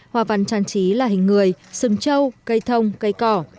hoa văn trang trí là hình người sừng trâu cây thông cây cỏ